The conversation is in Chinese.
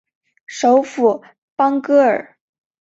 首府邦戈尔。